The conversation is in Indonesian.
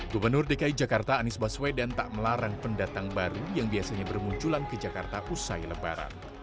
gubernur dki jakarta anies baswedan tak melarang pendatang baru yang biasanya bermunculan ke jakarta usai lebaran